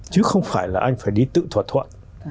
chứ không phải là anh phải đi tự thỏa thuận